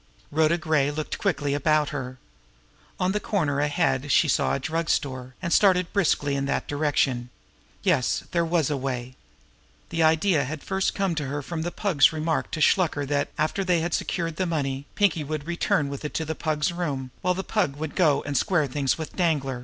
Rhoda Gray looked quickly about her. On the corner ahead she saw a drug store, and started briskly in that direction. Yes, there was a way! The idea had first come to her from the Pug's remark to Shluker that, after they had secured the money, Pinkie would return with it to the Pug's room, while the Pug would go and square things with Danglar.